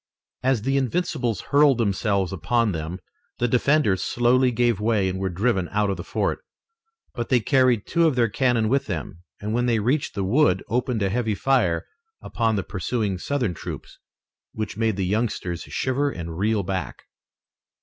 As the Invincibles hurled themselves upon them the defenders slowly gave way and were driven out of the fort. But they carried two of their cannon with them, and when they reached the wood opened a heavy fire upon the pursuing Southern troops, which made the youngsters shiver and reel back.